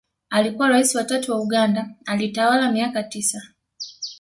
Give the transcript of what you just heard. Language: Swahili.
Alikua raisi wa tatu wa Uganda alitawala miaka tisa